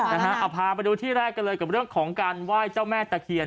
เอาพาไปดูที่แรกกันเลยกับเรื่องของการไหว้เจ้าแม่ตะเคียน